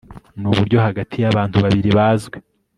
Nuburyo hagati yabantu babiri bazwi